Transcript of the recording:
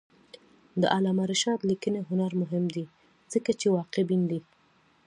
د علامه رشاد لیکنی هنر مهم دی ځکه چې واقعبین دی.